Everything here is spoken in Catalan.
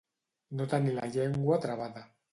No tenir la llengua travada.